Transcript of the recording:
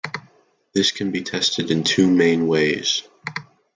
This can be tested in two main ways.